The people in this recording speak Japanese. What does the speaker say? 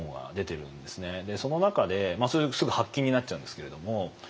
その中でそれすぐ発禁になっちゃうんですけれども。